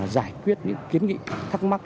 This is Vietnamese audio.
giải quyết những kiến nghị thắc mắc